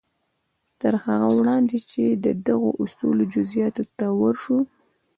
تر هغه وړاندې چې د دغو اصولو جزياتو ته ورشو.